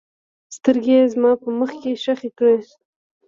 سترګې یې زما په مخ کې ښخې کړې.